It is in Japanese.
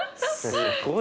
すっごい。